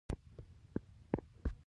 د میوو موټرونه باید ژر ورسیږي.